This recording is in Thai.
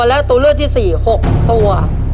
และตัวเลือกที่๔๖ตัว